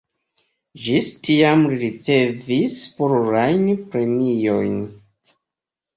Ĝis tiam li ricevis plurajn premiojn.